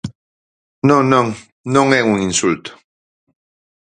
Non, non, non é un insulto.